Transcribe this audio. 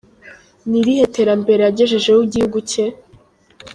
Ni irihe terambere yagejejeho igihugu cye?